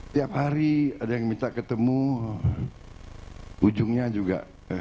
tiap hari ada yang minta ketemu ujungnya juga